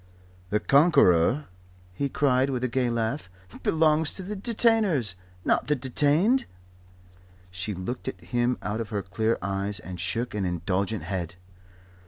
"The Conqueror," he cried, with a gay laugh, "belongs to the Detainers not the Detained." She looked at him out of her clear eyes, and shook an indulgent head.